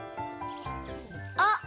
あっ！